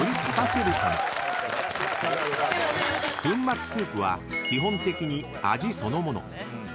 ［粉末スープは基本的に味そのもの］